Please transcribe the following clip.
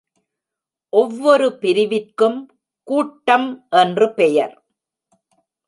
ஒவ்வொரு பிரிவிற்கும் கூட்டம் என்று பெயர்.